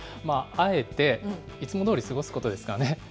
あえて、いつもどおり過ごすことですかね。